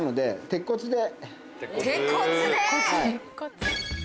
鉄骨で！